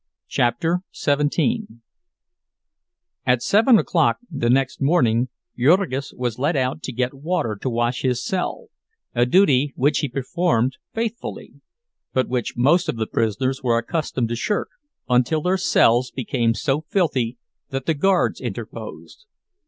CHAPTER XVII At seven o'clock the next morning Jurgis was let out to get water to wash his cell—a duty which he performed faithfully, but which most of the prisoners were accustomed to shirk, until their cells became so filthy that the guards interposed.